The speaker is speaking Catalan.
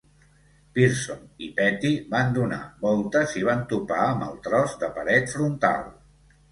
Pearson i Petty van donar voltes i van topar amb el tros de paret frontal.